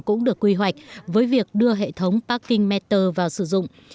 cũng được quy hoạch với việc đưa hệ thống parking metter vào sử dụng